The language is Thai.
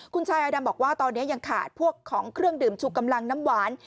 คุณชายอาดำบอกว่าตอนนี้ยังขาดพวกของเครื่องดื่มชูกำลังน้ำหวาน